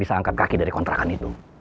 bisa angkat kaki dari kontrakan itu